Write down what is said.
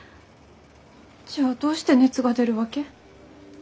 じゃあどうして熱が出るわけ？